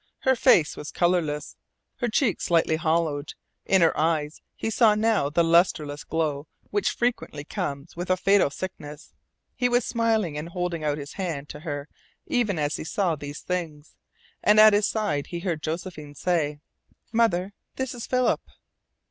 Her face was colourless, her cheeks slightly hollowed, in her eyes he saw now the lustreless glow which frequently comes with a fatal sickness. He was smiling and holding out his hand to her even as he saw these things, and at his side he heard Josephine say: "Mother, this is Philip."